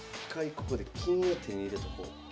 ここで金を手に入れとこう。